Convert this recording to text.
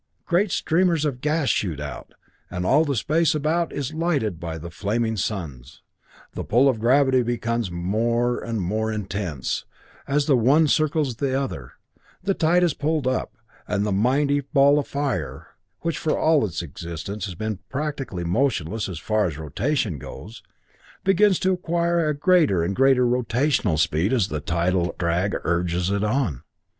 Great streamers of gas shoot out, and all the space about is lighted by the flaming suns. The pull of gravity becomes more and more intense, and as the one circles the other, the tide is pulled up, and the mighty ball of fire, which, for all its existence has been practically motionless as far as rotation goes, begins to acquire a greater and greater rotational speed as the tidal drag urges it on.